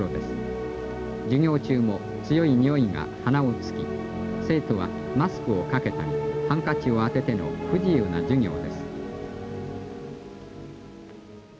授業中も強い臭いが鼻をつき生徒はマスクをかけたりハンカチを当てての不自由な授業です